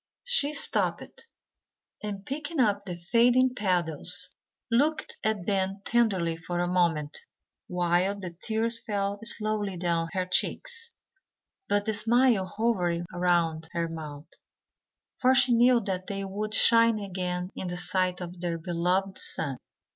She stooped, and picking up the fading petals, looked at them tenderly for a moment, while the tears fell slowly down her cheeks; but the smile hovered round her mouth; for she knew that they would shine again in the sight of their beloved sun.